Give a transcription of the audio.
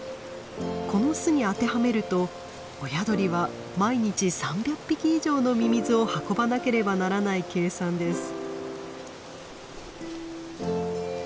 この巣に当てはめると親鳥は毎日３００匹以上のミミズを運ばなければならない計算です。